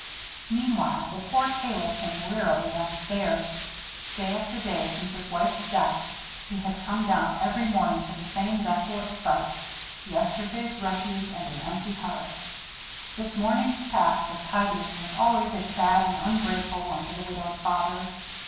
Meanwhile the poor Tailor came wearily down stairs. Day after day, since his wife's death, he had come down every morning to the same desolate sight yesterday's refuse and an empty hearth. This morning task of tidying was always a sad and ungrateful one to the widowed father.